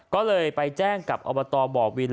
ก็เลยไปแจ้งกับอบตบ่อวิน